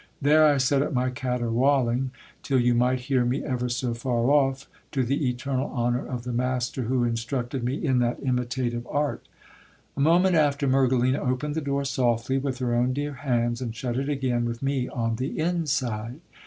There I set up my caterwauling, till you might hear me ever so far off, to the eternal honour of the master who instructed me in that imitative art. A moment after Mergelina opened the door softly with her own dear hands, and shut it again with me on the inside.